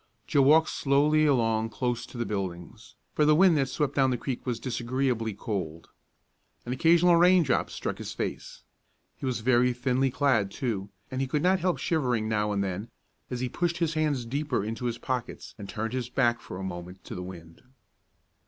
Joe walked slowly along close to the buildings, for the wind that swept down the creek was disagreeably cold. An occasional raindrop struck his face. He was very thinly clad, too, and he could not help shivering now and then as he pushed his hands deeper into his pockets and turned his back for a moment to the wind.